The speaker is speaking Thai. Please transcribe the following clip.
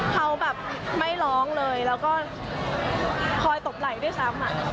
เขาแบบไม่ร้องเลยแล้วก็คอยตบไหล่ด้วยซ้ำ